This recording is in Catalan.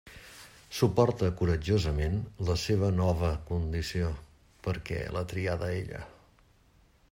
Suporta coratjosament la seva nova condició, perquè l'ha triada ella.